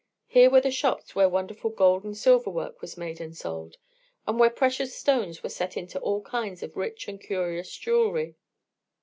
Here were the shops where wonderful gold and silver work was made and sold; and where precious stones were set into all kinds of rich and curious jewelry.